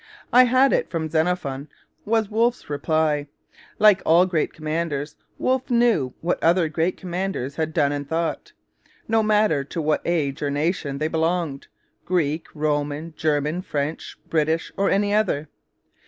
'I had it from Xenophon' was Wolfe's reply. Like all great commanders, Wolfe knew what other great commanders had done and thought, no matter to what age or nation they belonged: Greek, Roman, German, French, British, or any other.